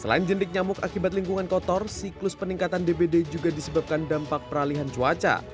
selain jendik nyamuk akibat lingkungan kotor siklus peningkatan dbd juga disebabkan dampak peralihan cuaca